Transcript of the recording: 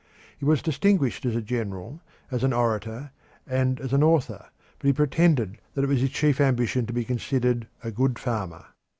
He was distinguished as a general, as an orator, and as an author, but he pretended that it was his chief ambition to be considered a good farmer.